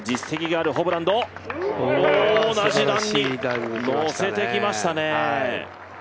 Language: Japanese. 同じ段に乗せてきましたね。